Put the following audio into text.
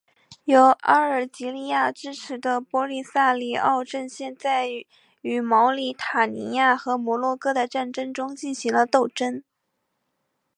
由阿尔及利亚支持的波利萨里奥阵线在与毛里塔尼亚和摩洛哥的战争中进行了斗争。